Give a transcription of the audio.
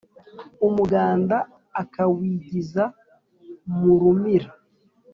Umuganda akawigiza mu rumira